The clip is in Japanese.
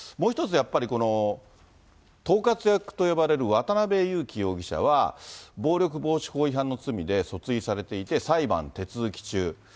やっぱり、この統括役と呼ばれる渡辺優樹容疑者は、暴力防止法違反の罪で訴追されていて裁判手続き中。